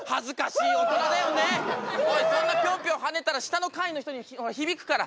おいそんなピョンピョン跳ねたら下の階の人に響くから。